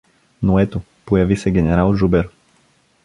Но ето, появи се генерал Жубер!